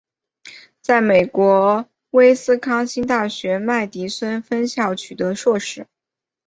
在美国威斯康辛大学麦迪逊分校取得硕士。